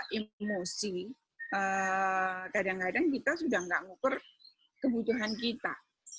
terbawa emosi kadang kadang kita sudah nggak ngukur kebutuhan kita